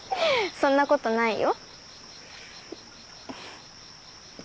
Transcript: そんなことないよ。